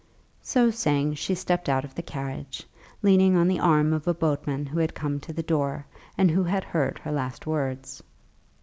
So saying, she stepped out of the carriage, leaning on the arm of a boatman who had come to the door, and who had heard her last words.